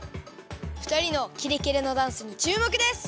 ふたりのキレキレのダンスにちゅうもくです！